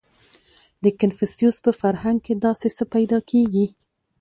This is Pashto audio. • د کنفوسیوس په فرهنګ کې داسې څه پیدا کېږي.